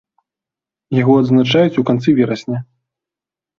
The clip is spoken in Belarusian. Яго адзначаюць у канцы верасня.